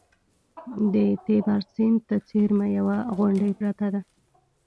د تیبر سیند ته څېرمه یوه غونډۍ پرته ده